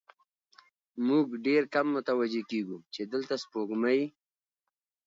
موږ ډېر کم متوجه کېږو، چې دلته سپوږمۍ